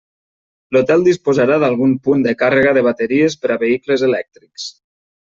L'hotel disposarà d'algun punt de càrrega de bateries per a vehicles elèctrics.